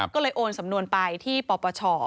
ก็เลยโอนสำนวนไปที่ปปช